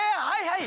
はい！